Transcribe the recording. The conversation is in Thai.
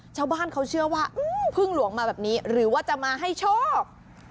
ชาวบ้านเขาเชื่อว่าอื้อหึพึ่งหลวงมาแบบนี้หรือจะมาให้ชอบ